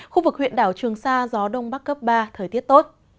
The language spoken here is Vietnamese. khu vực huyện đảo trường sa gió đông bắc cấp ba thời tiết tốt